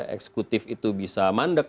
eksekutif itu bisa mandek